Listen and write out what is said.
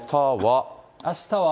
あしたは。